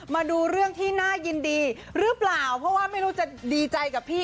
มาดูเรื่องที่น่ายินดีหรือเปล่าเพราะว่าไม่รู้จะดีใจกับพี่